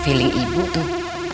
feeling ibu tuh